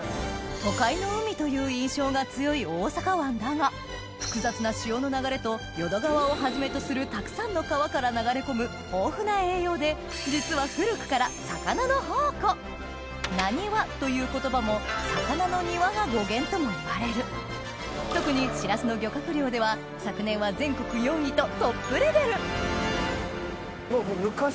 都会の海という印象が強い大阪湾だが複雑な潮の流れと淀川をはじめとするたくさんの川から流れ込む豊富な栄養で実は古くから「なにわ」という言葉も「魚の庭」が語源ともいわれる特にしらすの漁獲量では昨年は全国４位とトップレベル５０年。